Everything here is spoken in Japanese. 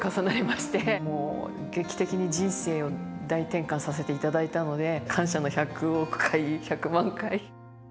もう劇的に人生を大転換させていただいたので感謝の１００億回１００万回。